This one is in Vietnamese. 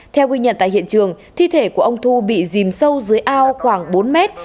theo ghi nhận tại hiện trường thi thể của ông thu bị dìm sâu dưới ao khoảng bốn mét